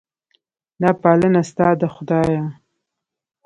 دا پالنه ستا ده خدایه.